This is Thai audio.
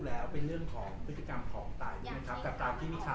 เป็นเรื่องของวิธีกรรมของตา